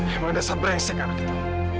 emang dasar beresekan itu